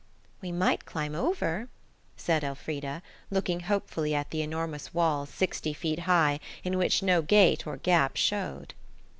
"We might climb over," said Elfrida, looking hopefully at the enormous walls, sixty feet high, in which no gate or gap showed.